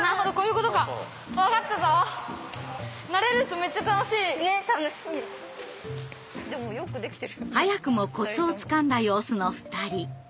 ねっ楽しい。早くもコツをつかんだ様子の２人。